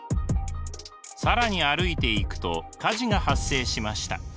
更に歩いていくと火事が発生しました。